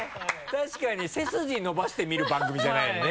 確かに背筋伸ばして見る番組じゃないよね。